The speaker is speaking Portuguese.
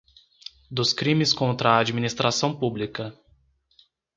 Dos crimes contra a administração pública.